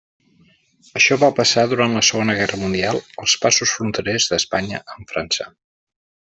Això va passar durant la Segona Guerra Mundial als passos fronterers d'Espanya amb França.